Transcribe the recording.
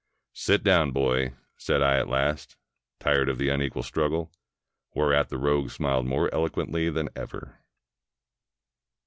"Sit down, boy," said I at last, tired of the unequal struggle; whereat the rogue smiled more eloquently than ever.